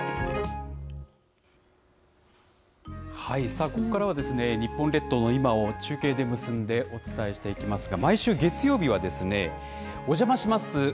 さあ、ここからは、日本列島の今を中継で結んでお伝えしていきますが、毎週月曜日は、おじゃまします